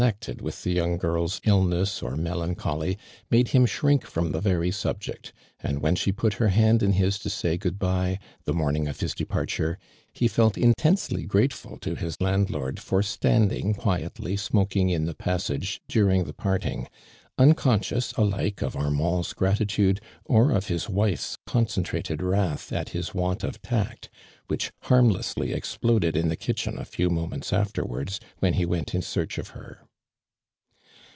nected With the young girl's illness or me lancholy, made him shrink from the very subject, and when she put hef hand in his to say good bye, the morning of hh de|)ar ture, he felt intensely grtltefal to his land lord for standing quietly smokhig in the passage during the parting, unconscious alike of Armand's gratitude, or Of his wife's concentrated wrath at his want of tact, which harmlessly exploded in the kitchen a few moments afterwards, when he went in search of her.